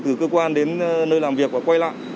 từ cơ quan đến nơi làm việc và quay lại